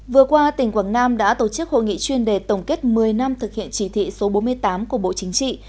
vừa qua tỉnh quảng nam đã tổ chức hội nghị chuyên đề tổng kết một mươi năm thực hiện chỉ thị số bốn mươi tám của bộ chính trị